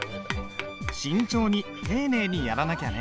慎重に丁寧にやらなきゃね。